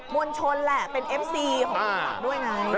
มวลชนแหละเป็นเอฟซีของมวลหลาบด้วยไง